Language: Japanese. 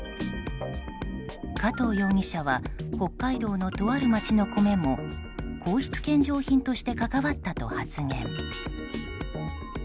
加藤容疑者は北海道のとある町の米も皇室献上品として関わったと発言。